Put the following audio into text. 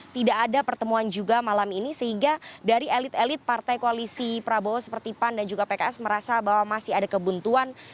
tidak ada pertemuan juga malam ini sehingga dari elit elit partai koalisi prabowo seperti pan dan juga pks merasa bahwa masih ada kebuntuan